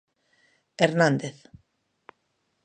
Hernández.